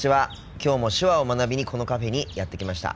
きょうも手話を学びにこのカフェにやって来ました。